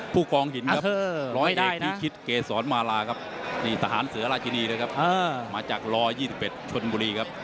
ผู้กองหินร้อยเอกพิชิตเกษรมาลาทหารเสือราชินีมาจากร๒๑ชนบุรี